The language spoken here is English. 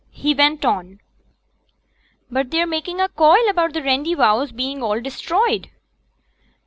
He went on. 'But they're making a coil about the Randyvowse being all destroyed!'